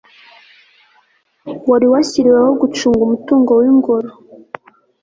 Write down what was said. wari washyiriweho gucunga umutungo w'ingoro